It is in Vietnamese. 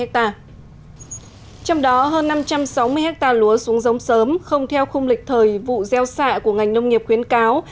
trong đó hơn năm trăm sáu mươi ha lúa xuống giống sớm không theo khung lịch thời vụ gieo xạ của ngành nông nghiệp khuyến cáo